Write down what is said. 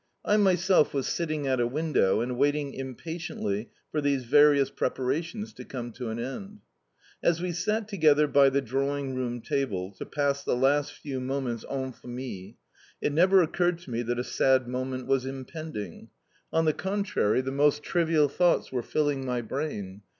I myself was sitting at a window and waiting impatiently for these various preparations to come to an end. As we sat together by the drawing room table, to pass the last few moments en famille, it never occurred to me that a sad moment was impending. On the contrary, the most trivial thoughts were filling my brain.